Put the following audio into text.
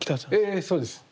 ええそうです。